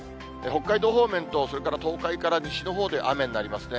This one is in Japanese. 北海道方面と、それから東海から西のほうで雨になりますね。